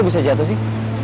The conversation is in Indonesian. bisa jatuh sih